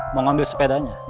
mau ngambil sepedanya